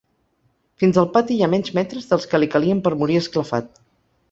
Fins al pati hi ha menys metres dels que li calien per morir esclafat.